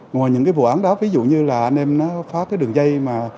ngoài những vụ án đó ví dụ như anh em phá đường dây